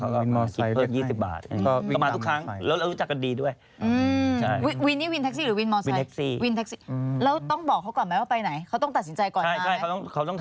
นึกถึงเปิด๒๐บาท